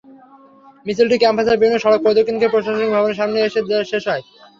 মিছিলটি ক্যাম্পাসের বিভিন্ন সড়ক প্রদক্ষিণ করে প্রশাসনিক ভবনের সামনে এসে শেষ হয়।